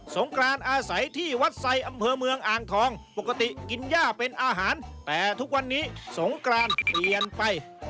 งกรานอาศัยที่วัดไซค์อำเภอเมืองอ่างทองปกติกินย่าเป็นอาหารแต่ทุกวันนี้สงกรานเปลี่ยนไป